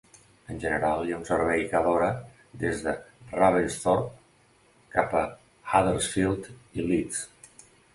En general hi ha un servei cada hora des de Ravensthorpe cap a Huddersfield i Leeds.